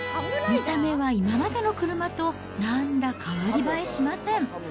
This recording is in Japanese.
見た目は今までの車となんら代わり映えしません。